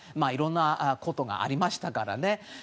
いろんなことがありましたからね。